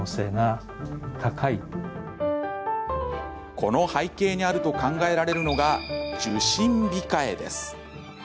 この背景にあると考えられるのが「受診控え」です。